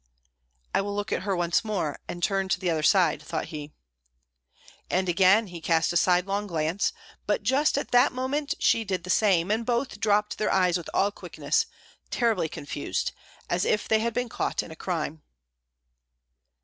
"I will look at her once more and turn to the other side," thought he. And again he cast a sidelong glance; but just at that moment she did the same, and both dropped their eyes with all quickness, terribly confused, as if they had been caught in a crime.